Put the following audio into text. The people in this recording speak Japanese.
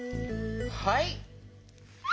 はい。